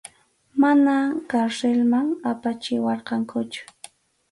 Mana karsilman apachiwarqankuchu.